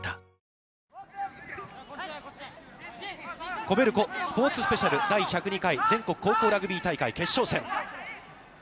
ＫＯＢＥＬＣＯスポーツスペシャル、第１０２回全国高校ラグビー大会決勝戦。